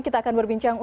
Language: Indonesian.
kita akan berbincang